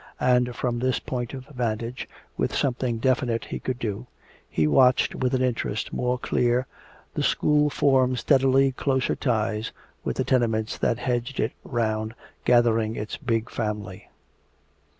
And from this point of vantage, with something definite he could do, he watched with an interest more clear the school form steadily closer ties with the tenements that hedged it 'round, gathering its big family.